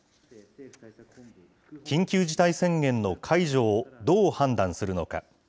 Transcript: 緊急事態宣言の解除をどう判断するのか。